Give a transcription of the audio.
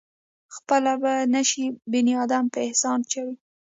خپل به نشي بنيادم پۀ احسان چرې